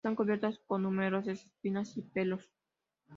Están cubiertas con numerosas espinas y pelos.